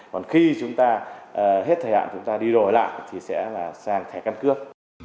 còn khi chúng ta hết thời hạn chúng ta đi đổi lại thì sẽ là sang thẻ căn cước